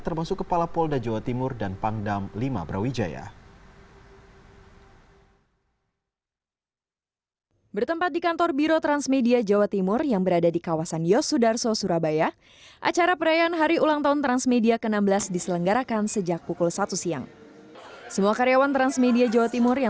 termasuk kepala polda jawa timur dan pangdam lima brawijaya